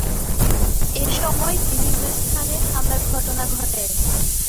এসময় বিভিন্ন স্থানে হামলার ঘটনা ঘটে।